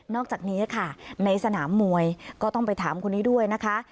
อกจากนี้ค่ะในสนามมวยก็ต้องไปถามคนนี้ด้วยนะคะ